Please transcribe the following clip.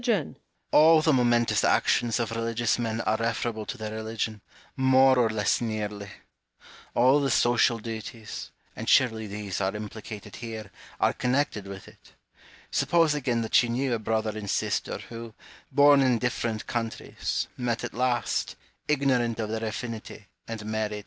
All the momentous actions of religious men are referable to their religion, more or less nearly ; all the social duties, and surely these are implicated here, are connected with it. Suppose, again, that you knew a brother 230 IMA GIN A R V CONFERS A TIONS. and sister, who, born in different countries, met at last, ignorant of their affinity, and married. Home. Poor, blind, sinful creatures